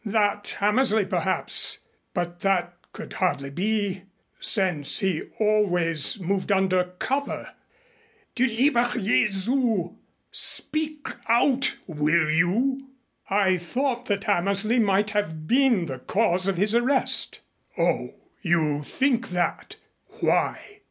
"That Hammersley perhaps but that could hardly be since he always moved under cover " "Du lieber Jesu! Speak out! Will you?" "I thought that Hammersley might have been the cause of his arrest." "Oh, you think that? Why?"